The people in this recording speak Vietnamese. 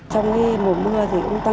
thường xuyên kiểm tra các bến đỏ